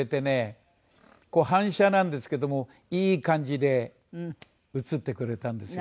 反射なんですけどもいい感じで写ってくれたんですよ。